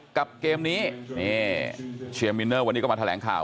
เกมนี้นี่เชียร์มินเนอร์วันนี้ก็มาแถลงข่าว